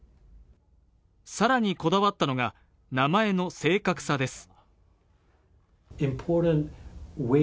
更にこわだったのが名前の正確さです。